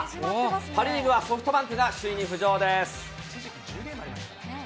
パ・リーグはソフトバンクが首位に浮上です。